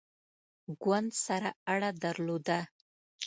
ګوند سره اړه درلوده.